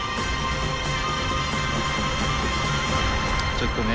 ちょっとね